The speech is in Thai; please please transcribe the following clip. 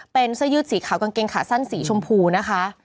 เป็นเสื้อยืดสีขาวกางเกงขาสั้นสีชมพูนะคะ